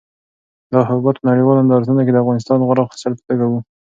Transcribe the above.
دا حبوبات په نړیوالو نندارتونونو کې د افغانستان د غوره حاصل په توګه وو.